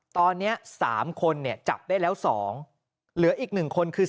หน้าจอนี้ครับตอนนี้๓คนเนี่ยจับได้แล้ว๒เหลืออีก๑คนคือ